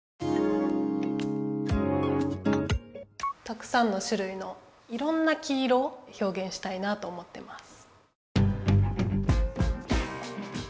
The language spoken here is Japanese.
たくさんのしゅるいのいろんな黄色ひょうげんしたいなと思ってます。